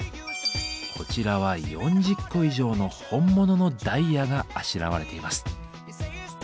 こちらは４０個以上の本物のダイヤがあしらわれています。